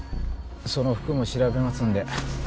その服も調べますんで。